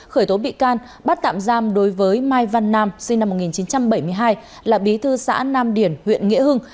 khởi tố bị can bắt tạm giam đối với mai văn nam sinh năm một nghìn chín trăm bảy mươi hai là bí thư xã nam điển huyện nghĩa hưng